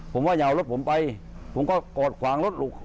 ผมว่าอย่าเอารถผมไปผมก็กอดขวางรถหลุก